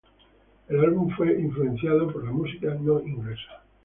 El álbum fue influenciado por la música no inglesa.